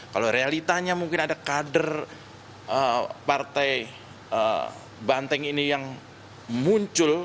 kalau realitanya mungkin ada kader partai banteng ini yang muncul